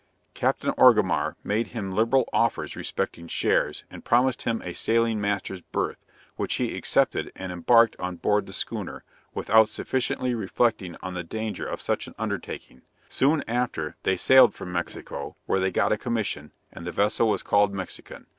Capt. Orgamar made him liberal offers respecting shares, and promised him a sailing master's berth, which he accepted and embarked on board the schooner, without sufficiently reflecting on the danger of such an undertaking. Soon after she sailed from Mexico, where they got a commission, and the vessel was called Mexican.